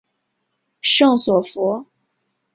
圣索弗。